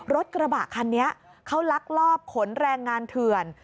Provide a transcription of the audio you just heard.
รถกระบะคันนี้เขาลักลอบขนแรงงานเถื่อน